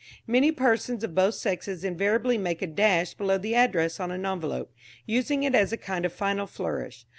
Many persons of both sexes invariably make a dash below the address on an envelope, using it as a kind of final flourish.